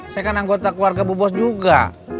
saya kan anggota keluarga bu bos juga